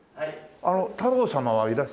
あの太郎様はいらっしゃいますか？